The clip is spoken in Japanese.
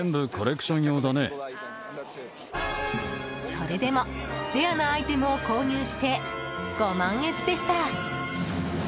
それでも、レアなアイテムを購入して、ご満悦でした。